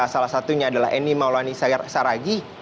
salah satunya adalah eni maulani saragih